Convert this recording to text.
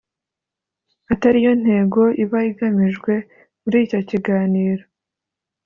atari yo ntego iba igamijwe muri icyo kiganiro.